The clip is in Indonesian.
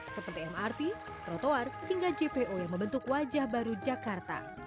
seperti mrt trotoar hingga jpo yang membentuk wajah baru jakarta